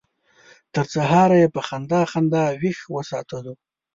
تر سهاره یې په خندا خندا ویښ وساتلو.